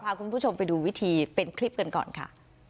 พาคุณผู้ชมไปดูวิธีเป็นคลิปกันก่อนค่ะ